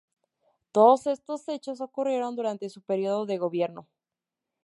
Todos estos hechos ocurrieron durante su período de gobierno.